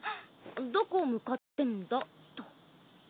「どこ向かってんだ」と。